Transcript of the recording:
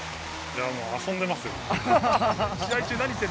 もう遊んでますよ。